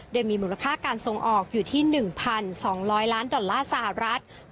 โดยมีมูลค่าการส่งออกอยู่ที่๑๒๐๐ล้านดอลลาร์สหรัฐ